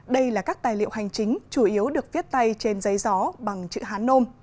đây là các tài liệu hành chính chủ yếu được viết tay trên giấy gió bằng chữ hán nôm